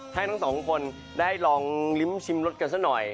ให้ทั้งสองคนได้ลองลิ้มชิมรสกันซะหน่อย